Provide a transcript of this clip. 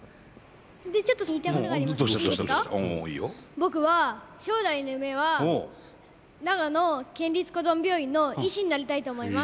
僕は将来の夢は長野県立こども病院の医師になりたいと思います。